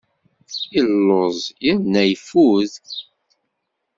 Yelluẓ yerna yeffud.